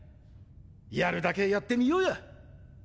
やるだけやってみようや。